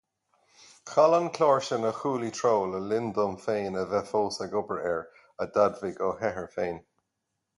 Chaill an clár sin a chuaillí treo le linn dom féin a bheith fós ag obair air, a d'admhaigh Ó hEithir féin.